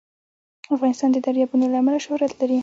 افغانستان د دریابونه له امله شهرت لري.